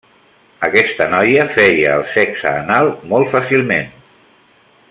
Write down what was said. Aquesta noia feia el sexe anal molt fàcilment.